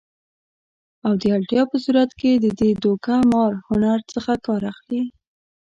او د اړتیا په صورت کې د دې دوکه مار هنر څخه کار اخلي